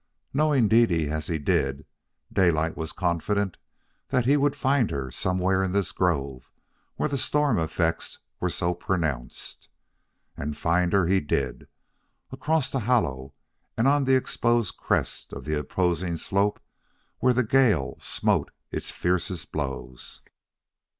Knowing Dede as he did, Daylight was confident that he would find her somewhere in this grove where the storm effects were so pronounced. And find her he did, across the hollow and on the exposed crest of the opposing slope where the gale smote its fiercest blows.